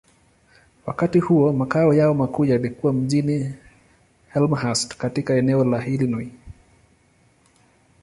Wakati huo, makao yao makuu yalikuwa mjini Elmhurst, katika eneo la Illinois.